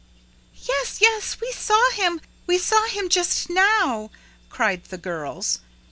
"Yes, yes, we saw him we saw him just now!" cried the girls.